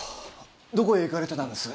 どこへ行かれてたんです？